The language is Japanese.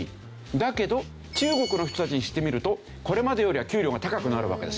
だけど中国の人たちにしてみるとこれまでよりは給料が高くなるわけですよ。